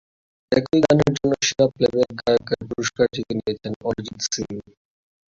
একই গানের জন্য সেরা প্লেব্যাক গায়কের পুরস্কার জিতে নিয়েছেন অরিজিত্ সিং।